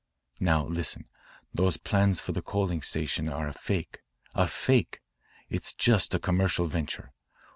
Now, listen. Those plans of the coaling station are a fake a fake. It is just a commercial venture.